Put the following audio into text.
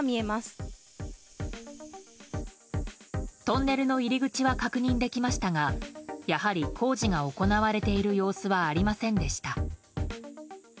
トンネルの入り口は確認できましたがやはり工事が行われている様子はありませんでした。